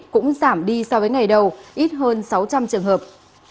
cũng giảm đi so với ngày đầu ít hơn sáu trăm linh trường hợp